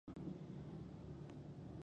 د خوړو بڼه د اشتها یوه برخه ده.